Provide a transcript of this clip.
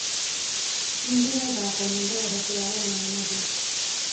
سپین ږیری د عقلمندۍ او هوښیارۍ نمونه دي